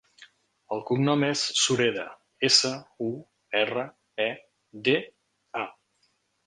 El cognom és Sureda: essa, u, erra, e, de, a.